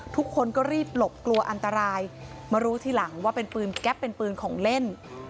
ทุกคนก็รีบหลบกลัวอันตรายมารู้ทีหลังว่าเป็นปืนแก๊ปเป็นปืนของเล่น